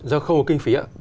do khâu kinh phí á